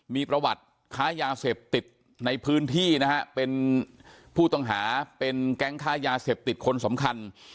มีประวัติค้ายาเสพติดในพื้นที่นะฮะเป็นผู้ต้องหาเป็นแก๊งค้ายาเสพติดคนสำคัญ